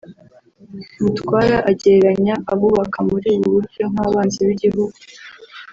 Mutwara agereranya abubaka muri ubu buryo nk’abanzi b’igihugu